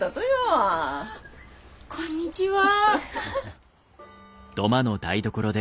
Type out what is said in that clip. こんにちは。